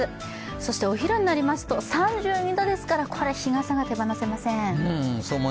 そしてお昼になりますと３２度ですから、日傘が手放せません。